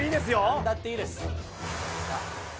なんだっていいです。